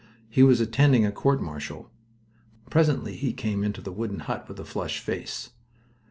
He was attending a court martial. Presently he came into the wooden hut, with a flushed face.